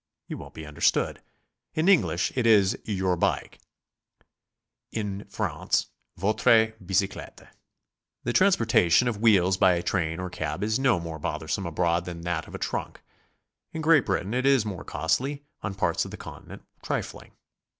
You won't be understood; in England it is "your bike"; in France, "votre bicyclette." The transportation of wheels by train or cab is no more bothersome abroad than that of a trunk; in Great Britain it is more costly, on parts of the Continent trifling.